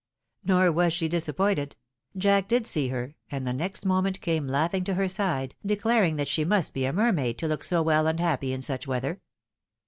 Nor was she disappointed ; Jack did see her, and the next moment came laughing to her side, declaring that she must be a mermaid, to look so well and happy in such weather.